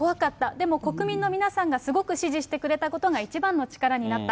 でも国民の皆さんがすごく支持してくれたことが一番の力になった。